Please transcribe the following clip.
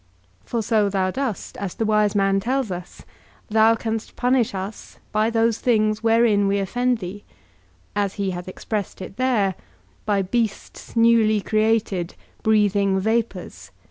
For so thou dost, as the wise man tells us, thou canst punish us by those things wherein we offend thee; as he hath expressed it there, by beasts newly created, breathing vapours.